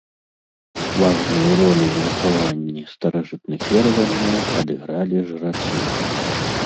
Важную ролю ў захаванні старажытных вераванняў адыгралі жрацы.